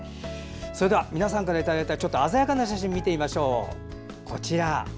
それでは、皆さんからいただいた鮮やかな写真、見てみましょう。